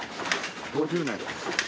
５０年です。